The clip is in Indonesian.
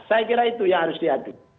saya kira itu yang harus diadu